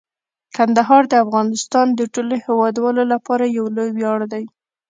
کندهار د افغانستان د ټولو هیوادوالو لپاره یو لوی ویاړ دی.